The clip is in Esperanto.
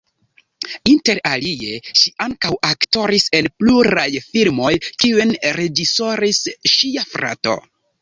Inter alie ŝi ankaŭ aktoris en pluraj filmoj kiujn reĝisoris ŝia frato.